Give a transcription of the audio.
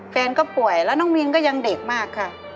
แฟนก็ป่วยแล้วน้องวินก็ยังเด็กมากค่ะ